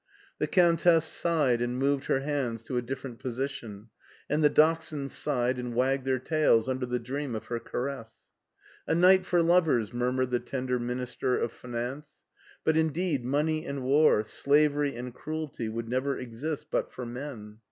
BERLIN 191 The Countess sighed and moved her hands to a different position, and the dachshunds sighed and wagged their tails under the dream of her caress. A night for lovers," murmured the tender Min ister of Finance. " But indeed money and war, slav ery and cruelty, would never exist but for men.